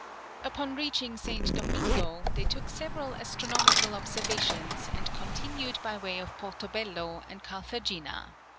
Upon reaching St. Domingo, they took several astronomical observations, and continued by way of Porto Bello, and Carthagena.